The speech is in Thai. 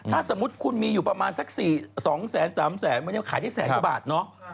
ถ้าสมมุติคุณมีอยู่ประมาณสัก๒๓แสนมันยังขายได้แสนกว่าบาทเนอะ